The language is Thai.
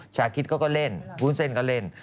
ชาคิดก็เล่นวูนเซ่นก็เล่น